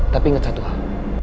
tapi inget satu hal